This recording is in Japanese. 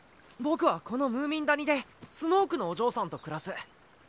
僕はこのムーミン谷でスノークのおじょうさんと暮らす。